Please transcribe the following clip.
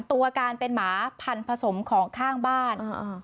ตัวการเป็นหมาพันธสมของข้างบ้าน